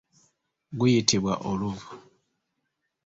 Guyitibwa oluvu.